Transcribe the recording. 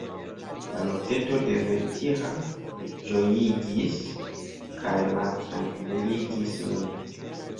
La noteto de Vetiha ĝojigis kaj maltrankviligis min.